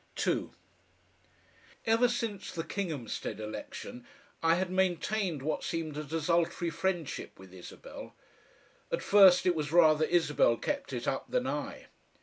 2 Ever since the Kinghamstead election I had maintained what seemed a desultory friendship with Isabel. At first it was rather Isabel kept it up than I.